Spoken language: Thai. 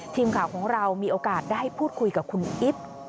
ทีมข่าวของเรามีโอกาสได้พูดคุยกับคุณอิ๊บ